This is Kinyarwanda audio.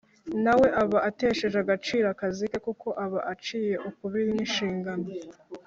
na we aba atesheje agaciro akazi ke, kuko aba aciye ukubiri n’inshingano